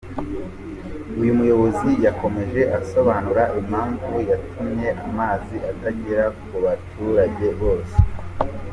Uyu muyobozi yakomeje asobanura impamvu yatumye amazi atagera ku baturage bose.